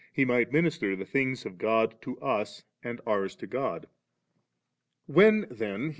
He might minister the thiogs of God to us, and ours to Ood When then He • iB.